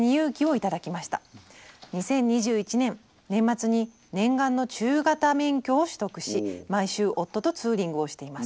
２０２１年年末に念願の中型免許を取得し毎週夫とツーリングをしています。